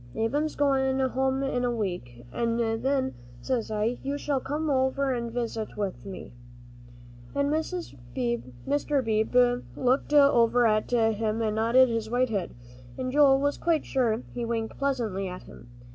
"Ab'm's goin' home in a week, an' then, says I, you shall come over an' visit with me." And Mr. Beebe looked over at him and nodded his white head, and Joel was quite sure he winked pleasantly at him.